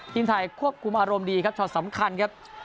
ทีมไทยควบคุมอารมณ์ดีครับช็อตสำคัญครับ